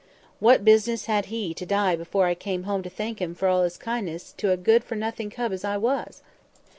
What business had he to die before I came home to thank him for all his kindness to a good for nothing cub as I was?